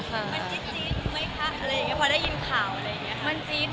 มันจี๊ดจี๊ดมั้ยคะพอได้ยินข่าวอะไรอย่างนี้ค่ะ